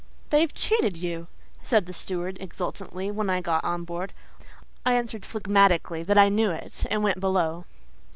"They've cheated you!" said the steward exultingly when I got on board. I answered phlegmatically that "I knew it," and went below.